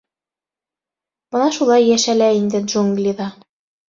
Бына шулай йәшәлә инде джунглиҙа.